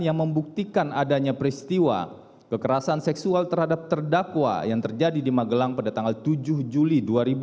yang membuktikan adanya peristiwa kekerasan seksual terhadap terdakwa yang terjadi di magelang pada tanggal tujuh juli dua ribu dua puluh